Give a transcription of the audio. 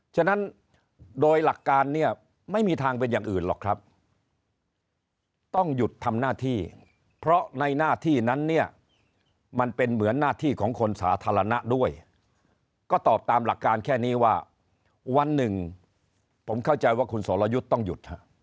ฉะนั้นโดยหลักการเนี่ยไม่มีทางเป็นอย่างอื่นหรอกครับต้องหยุดทำหน้าที่เพราะในหน้าที่นั้นเนี่ยมันเป็นเหมือนหน้าที่ของคนสาธารณะด้วยก็ตอบตามหลักการแค่นี้ว่าวันหนึ่งผมเข้าใจว่าคุณสรยุทธ์ต้องหยุด